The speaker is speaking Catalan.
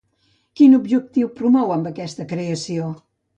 Quin objectiu promou amb aquesta creació?